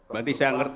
berarti saya ngerti